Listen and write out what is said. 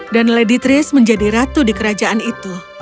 dan lady trish menjadi ratu di kerajaan itu